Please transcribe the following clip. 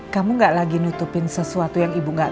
kamu gak lagi nutupin sesuatu yang gak bisa dihapus